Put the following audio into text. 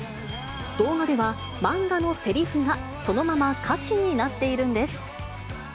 動画では漫画のせりふが、そのまま歌詞になっているんです。